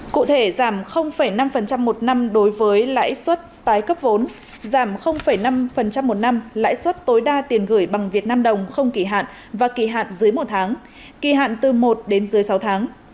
cụ thể giảm năm một năm đối với lãi suất tái cấp vốn giảm năm một năm lãi suất tối đa tiền gửi bằng việt nam đồng không kỳ hạn và kỳ hạn dưới một tháng kỳ hạn từ một đến dưới sáu tháng